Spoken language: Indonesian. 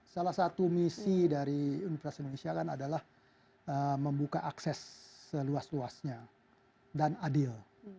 salah satu misi dari universitas indonesia kan adalah membuka akses seluas luasnya dan adil